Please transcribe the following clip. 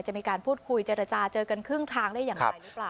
จะมีการพูดคุยเจรจาเจอกันครึ่งทางได้อย่างไรหรือเปล่า